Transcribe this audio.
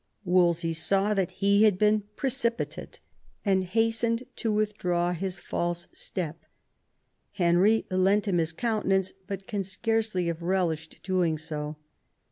Wolsey saw that he had been precipitate, and hastened to withdraw his false step ; Henry lent him his countenance, but can scarcely have relished doing so.